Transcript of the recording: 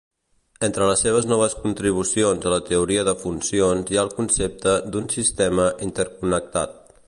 Entre les seves noves contribucions a la teoria de funcions hi ha el concepte d'un "sistema interconnectat".